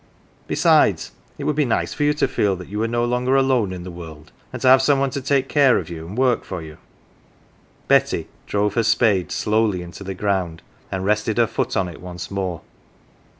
Besides, it would be nice for you to feel you were no longer alone in the world, and to have some one to take care of you, and work for you." 26 GAFFER'S CHILD Betsy drove her spade slowly into the ground, and rested her foot on it once more.